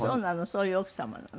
そういう奥様なの？